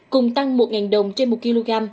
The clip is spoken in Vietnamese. cùng tăng một đồng trên một kg